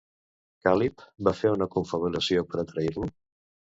Cal·lip va fer una confabulació per a trair-lo?